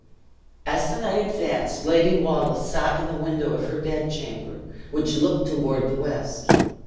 As the night advanced, Lady Wallace sat in the window of her bed chamber, which looked toward the west.